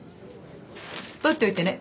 取っておいてね。